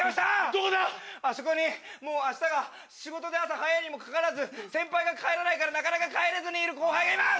どこだ⁉あそこにもう明日が仕事で朝早いにもかかわらず先輩が帰らないからなかなか帰れずにいる後輩がいます！